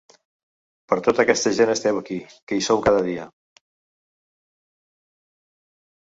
Per tota aquesta gent esteu aquí, que hi sou cada dia.